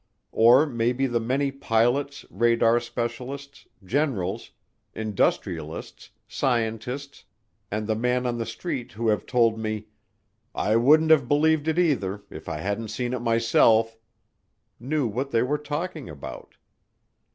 Or maybe the many pilots, radar specialists, generals, industrialists, scientists, and the man on the street who have told me, "I wouldn't have believed it either if I hadn't seen it myself," knew what they were talking about.